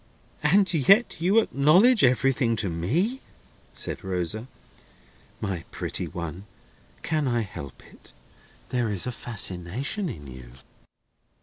"And yet you acknowledge everything to me!" said Rosa. "My pretty one, can I help it? There is a fascination in you."